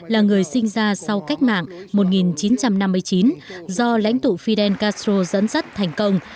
là người sinh ra sau cách mạng một nghìn chín trăm năm mươi chín do lãnh tụ fidel castro dẫn dắt thành công